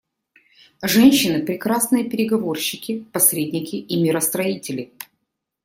Женщины — прекрасные переговорщики, посредники и миростроители.